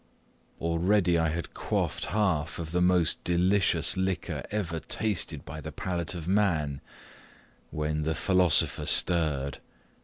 Already I had quaffed half of the most delicious liquor ever tasted by the palate of man, when the philosopher stirred.